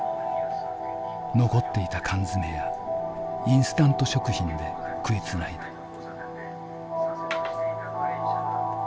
残っていた缶詰やインスタント食品で食いつないだ。